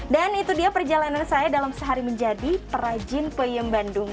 dan itu dia perjalanan saya dalam sehari menjadi perajin puyem bandung